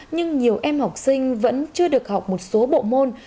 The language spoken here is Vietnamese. nhưng nhiều em học sinh vẫn chưa được học một số bộ môn